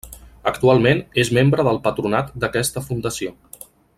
Actualment és membre del Patronat d'aquesta fundació.